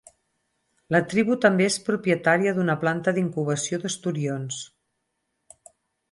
La tribu també és propietària d'una planta d'incubació d'esturions.